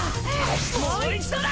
もう一度だ！